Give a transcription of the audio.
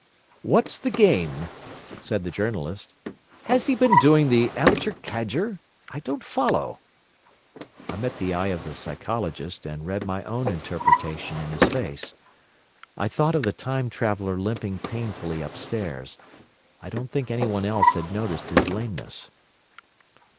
"What's the game?" said the Journalist. "Has he been doing the Amateur Cadger? I don't follow." I met the eye of the Psychologist, and read my own interpretation in his face. I thought of the Time Traveller limping painfully upstairs. I don't think anyone else had noticed his lameness.